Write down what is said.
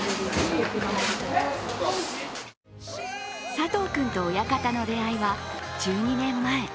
佐藤君と親方の出会いは１２年前。